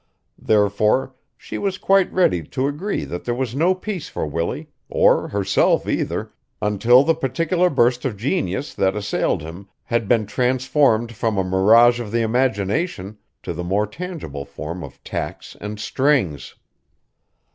Therefore she was quite ready to agree that there was no peace for Willie, or herself either, until the particular burst of genius that assailed him had been transformed from a mirage of the imagination to the more tangible form of tacks and strings.